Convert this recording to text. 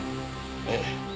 ええ。